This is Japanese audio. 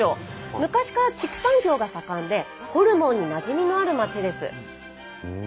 昔から畜産業が盛んでホルモンになじみのある町です。